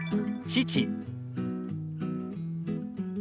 父。